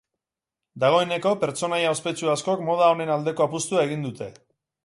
Dagoeneko pertsonaia ospetsu askok moda honen aldeko apustua egin dute.